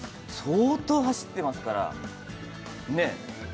相当走ってますから、ねぇ。